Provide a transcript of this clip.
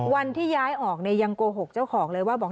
วันที่ย้ายออกเนี่ยยังโกหกเจ้าของเลยว่าบอก